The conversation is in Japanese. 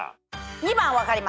２番分かります。